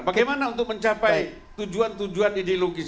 bagaimana untuk mencapai tujuan tujuan ideologis